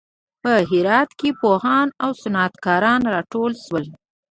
په هرات کې پوهان او صنعت کاران راټول شول.